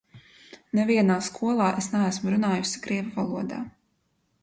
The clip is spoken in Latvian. Nevienā skolā es neesmu runājusi krievu valodā.